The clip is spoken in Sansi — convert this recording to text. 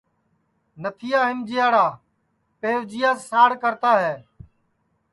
نتھیا ہیمجیاڑے پیوجیاس ساڑ کرتا ہے